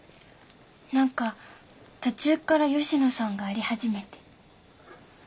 何か途中から佳乃さんが荒れ始めて。